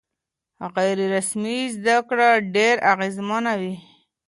غیر رسمي زده کړه ډېره اغېزمنه وي.